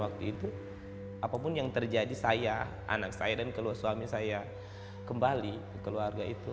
waktu itu apapun yang terjadi saya anak saya dan keluarga suami saya kembali ke keluarga itu